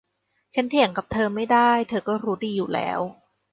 ฉันเถียงกับเธอไม่ได้ เธอก็รู้ดีอยู่แล้ว